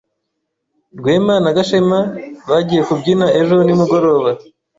Rwema na Gashema bagiye kubyina ejo nimugoroba.